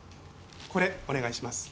これお願いします。